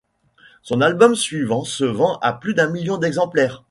Son album suivant se vend à plus d'un million d'exemplaires.